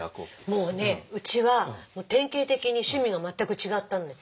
もうねうちは典型的に趣味が全く違ったんですよ。